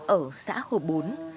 ở xã hồ bốn